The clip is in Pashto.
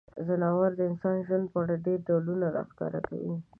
ځناور د انساني ژوند په اړه ډیری ډولونه راښکاره کوي.